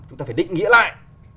chúng ta phải định nghĩa lại